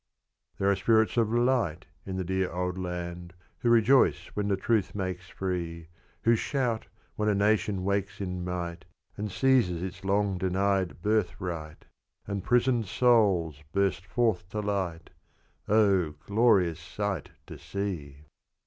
There are spirits of light in the "Dear Old Land," Who rejoice when "the Truth makes free;" Who shout when a nation wakes in might, And seizes its long denied birth right, And prisoned souls burst forth to light; O, glorious sight to see!